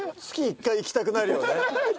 月１回行きたくなるよね。